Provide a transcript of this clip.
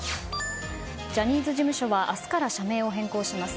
ジャニーズ事務所は明日から社名を変更します。